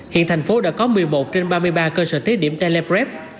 hiện thành phố đã có một mươi một trên ba mươi ba cơ sở thiết điểm teleprep